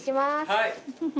はい。